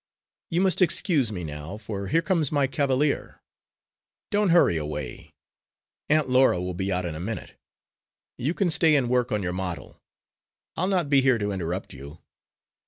You must excuse me now, for here comes my cavalier. Don't hurry away; Aunt Laura will be out in a minute. You can stay and work on your model; I'll not be here to interrupt you.